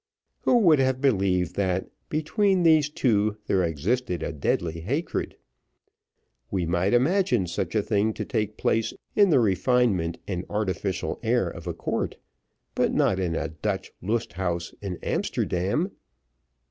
Who would have believed that, between these two, there existed a deadly hatred? We might imagine such a thing to take place in the refinement and artificial air of a court, but not in a Dutch Lust Haus at Amsterdam.